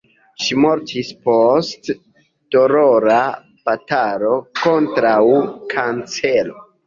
Ŝi mortis post dolora batalo kontraŭ kancero.